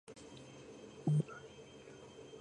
ეკლესია თითქმის პერანგშემოცლილია.